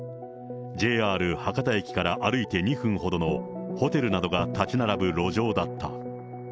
ＪＲ博多駅から歩いて２分ほどのホテルなどが建ち並ぶ路上だった。